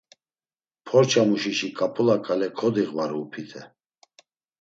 Porçamuşişi ǩap̌ula ǩale kodiğvaru upite.